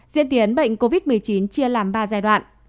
diễn tiến bệnh covid một mươi chín chia làm ba giai đoạn